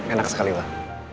enak sekali pak